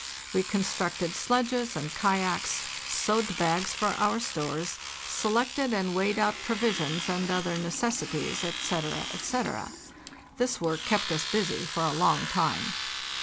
We con structed sledges and kayaks, sewed bags for our stores, selected and weighed out provisions and other necessaries, etc., etc. This work kept us busy for a long time.